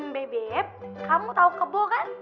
bebep kamu tau kebo kan